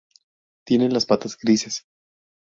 Tiene las patas grises.